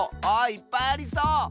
あいっぱいありそう！